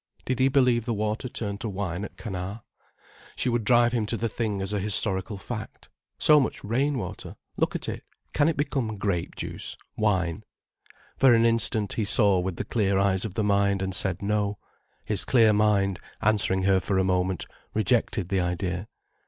Did he believe the water turned to wine at Cana? She would drive him to the thing as a historical fact: so much rain water—look at it—can it become grape juice, wine? For an instant, he saw with the clear eyes of the mind and said no, his clear mind, answering her for a moment, rejected the idea.